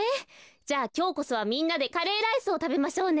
じゃあきょうこそはみんなでカレーライスをたべましょうね。